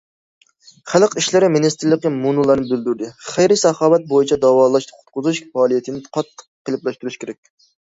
خەلق ئىشلىرى مىنىستىرلىقى مۇنۇلارنى بىلدۈردى: خەيرى- ساخاۋەت بويىچە داۋالاش قۇتقۇزۇش پائالىيىتىنى قاتتىق قېلىپلاشتۇرۇش كېرەك.